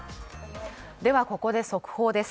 ここで速報です。